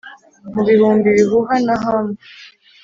mu bihumbi bihuha na hum